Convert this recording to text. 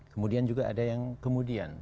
kemudian juga ada yang kemudian